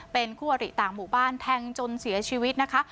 เป็นคู่อริต่างหมู่บ้านแทงจนเสียชีวิตนะคะ